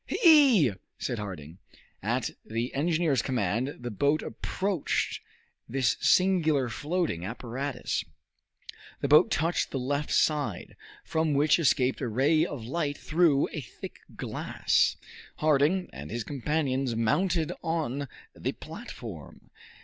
"He!" said Harding. At the engineer's command the boat approached this singular floating apparatus. The boat touched the left side, from which escaped a ray of light through a thick glass. Harding and his companions mounted on the platform.